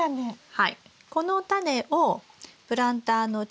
はい。